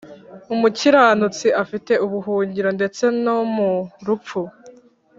umukiranutsi afite ubuhungiro ndetse no mu rupfu